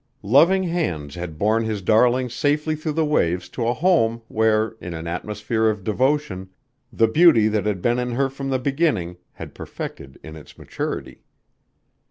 Loving hands had borne his darling safely through the waves to a home where, in an atmosphere of devotion, the beauty that had been in her from the beginning had perfected in its maturity.